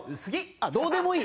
あ、どうでもいい。